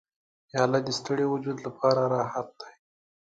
پیاله د ستړي وجود لپاره راحت دی.